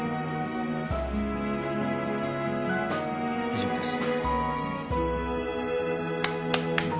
以上です。